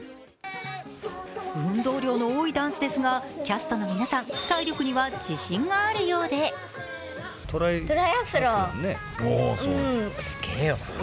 運動量の多いダンスですがキャストの皆さん、体力には自信があるようで人生これから！